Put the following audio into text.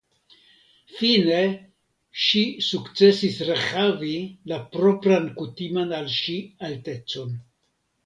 Fine ŝi sukcesis rehavi la propran kutiman al ŝi altecon.